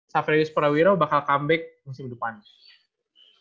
xaverius porawiro bakal comeback musim depannya